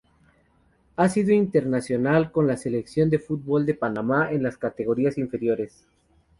Ha sido internacional con la Selección de fútbol de Panamá en las categoría inferiores.